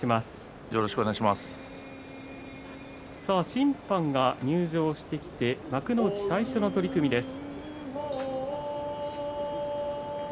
審判が入場してきて幕内最初の取組です。